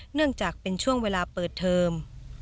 เนื่องจากเป็นช่วงเวลาเปิดเทอม